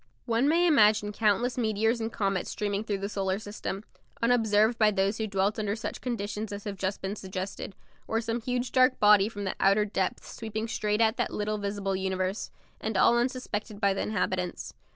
One may imagine countless meteors and comets streaming through the solar system, unobserved by those who dwelt under such conditions as have just been suggested, or some huge dark body from the outer depths sweeping straight at that little visible universe, and all unsuspected by the inhabitants.